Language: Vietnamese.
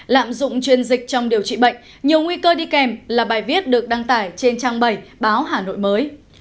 lạm dụng truyền dịch trong điều trị bệnh nhiều nguy cơ đi kèm là bài viết được đăng tải trên trang bảy báo hà nội mới